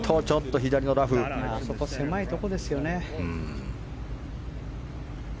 狭いところですね。